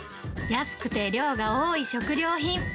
安くて量が多い食料品。